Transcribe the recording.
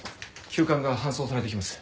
急患が搬送されてきます。